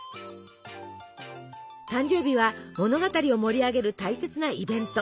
誕生日は物語を盛り上げる大切なイベント。